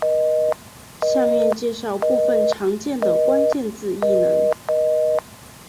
下面介绍部分常见的关键字异能。